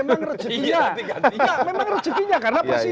memang rezekinya karena presiden